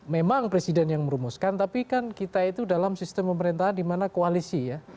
memang presiden yang merumuskan tapi kan kita itu dalam sistem pemerintahan di mana koalisi ya